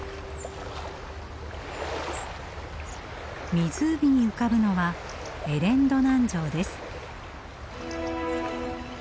湖に浮かぶのはエレン・ドナン城です。